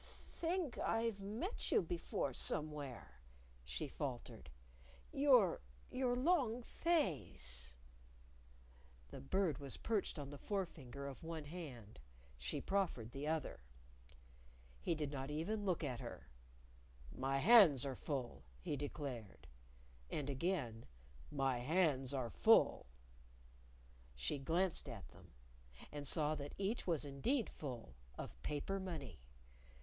"I think I've met you before somewhere," she faltered. "Your your long face " The Bird was perched on the forefinger of one hand. She proffered the other. He did not even look at her. "My hands are full," he declared. And again, "My hands are full." She glanced at them. And saw that each was indeed full of paper money.